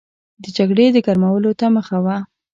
د جګړې د ګرمولو ته مخه وه.